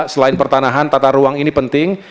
selain pertanahan tata ruang ini penting